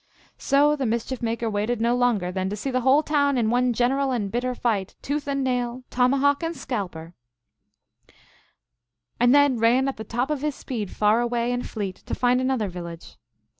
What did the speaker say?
So the Mis chief Maker waited no longer than to see the whole town in one general and bitter fight, tooth and nail, tomahawk and scalper, and then ran at the top of his speed far away and fleet, to find another village.